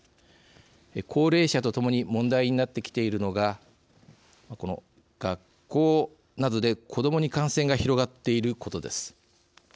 高齢者とともに問題になってきているのがこの学校などで子どもに感染が広がっていることです。